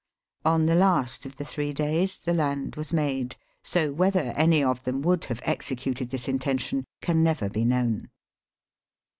On the last of the three days, the land was made ; so, whether any of them would have executed this intention, can never be known.